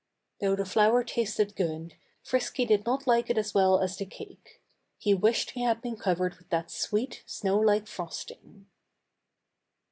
Though the flour tasted good, Frisky did not like it as well as the cake. He wished he had been covered with that sweet, snowlike frosting.